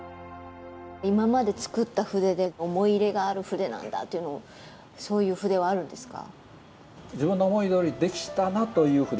今まで作った筆で思い入れがある筆なんだっていうのそういう筆はあるんですか？